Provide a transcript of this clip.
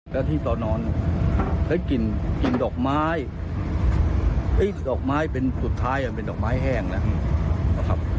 แล้วที่ตอนนอนได้กลิ่นดอกไม้ดอกไม้เป็นสุดท้ายมันเป็นดอกไม้แห้งแล้วนะครับ